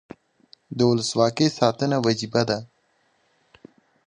د ولسواکۍ ساتنه وجیبه ده